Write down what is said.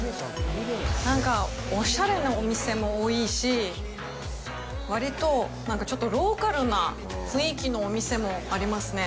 なんか、おしゃれなお店も多いし、割とローカルな雰囲気のお店もありますね。